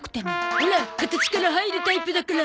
オラ形から入るタイプだから。